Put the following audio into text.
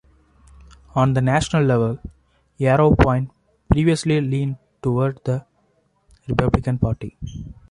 On the national level, Yarrow Point previously leaned toward the Republican Party.